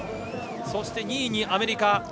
そして２位にアメリカ。